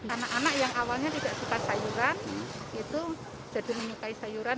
anak anak yang awalnya tidak suka sayuran itu jadi menyukai sayuran